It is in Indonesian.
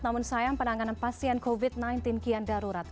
namun sayang penanganan pasien covid sembilan belas kian darurat